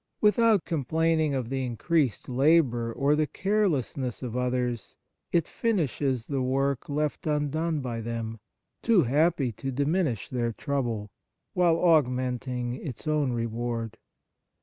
Without complaining of the increased labour or the carelessness of others, it finishes the work left undone by them, too happy to diminish their trouble, while augmenting its 24 Fifth Characteristic own reward.